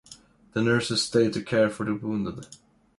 The nurses stayed to care for the wounded.